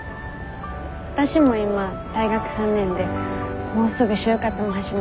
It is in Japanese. わたしも今大学３年でもうすぐ就活も始まって。